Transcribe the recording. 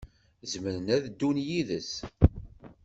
Zemren ad ddun yid-s.